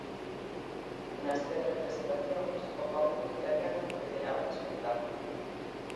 Nas tres representacións o cómico italiano ofrecerá un espectáculo.